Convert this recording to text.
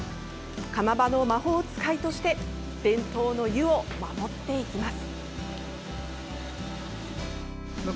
釜場の魔法使いとして伝統の湯を守っていきます。